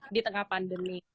di tengah pandemi